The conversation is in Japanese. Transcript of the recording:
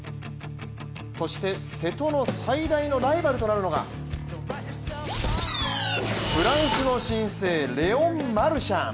そして瀬戸の最大のライバルとなるのがフランスの新星、レオン・マルシャン。